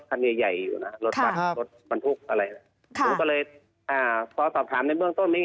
เพราะว่าตรงจุดนั้นมีสัญญาณโทรศัพท์แล้วก็มีห้องน้ำ